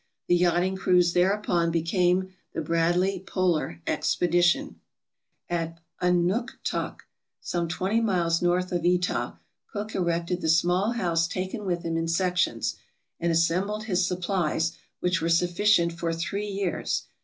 The yachting cruise thereupon became the Bradley Polar Expedition. *See note page 477. MISCELLANEOUS 469 At Annooktok, some twenty miles north of Etah, Cook erected the small house taken with him in sections, and assembled his supplies, which were sufficient for three years.